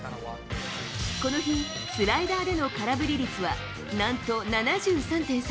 この日、スライダーでの空振り率はなんと７３．３％。